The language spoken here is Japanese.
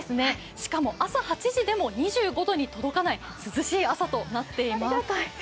朝６時でも２５度に届かない涼しい朝となっています。